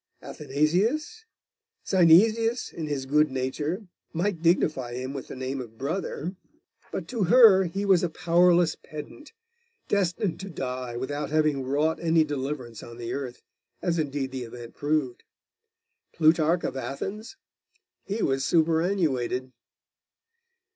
Athanasius? Synesius in his good nature might dignify him with the name of brother, but to her he was a powerless pedant, destined to die without having wrought any deliverance on the earth, as indeed the event proved. Plutarch of Athens? He was superannuated.